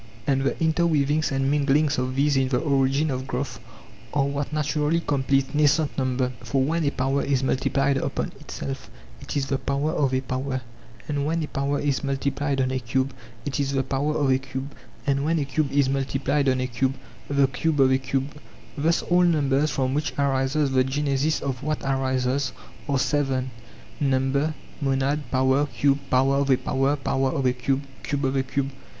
And the interweavings and PYTHAGORAS AND THE PYTHAGOREANS 153 minglings of these in the origin of growth are what naturally completes nascent number ; for when a power is multiplied upon itself, it is the power of a power; and when a power is multiplied on a cube, it is the power of a cube; and when a cube is multiplied on a cube, the cube of a cube; thus all numbers, from which arises the genesis of what arises, are seven :—number, monad, power, cube, power of a power, power of a cube, cube of a cube.